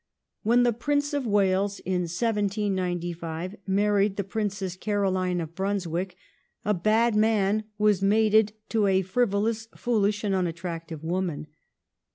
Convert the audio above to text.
When the Prince of Wales, in 1795, mamed the Princess Caroline of Brunswick, a bad man was mated to a frivolous, foolish, and unattractive woman.